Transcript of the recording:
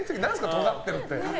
とがってるって。